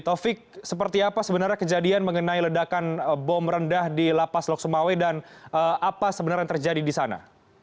taufik seperti apa sebenarnya kejadian mengenai ledakan bom rendah di lapas lok sumawe dan apa sebenarnya yang terjadi di sana